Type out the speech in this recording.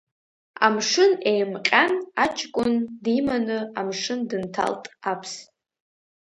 Амшын еимҟьан, аҷкәын диманы, амшын дынҭалт Аԥс.